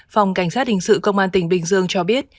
phòng cảnh sát hình sự công an tỉnh bình dương cho biết